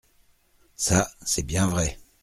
Ca, c’est bien vrai !